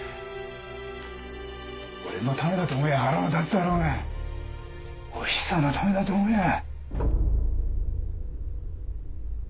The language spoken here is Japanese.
俺のためだと思やあ腹も立つだろうがおひさのためだと思やあ。